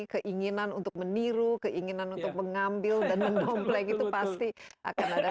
keinginan untuk meniru keinginan untuk mengambil dan menompleng itu pasti akan ada